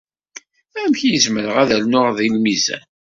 Amek ay zemreɣ ad rnuɣ deg lmizan?